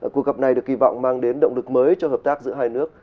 cuộc gặp này được kỳ vọng mang đến động lực mới cho hợp tác giữa hai nước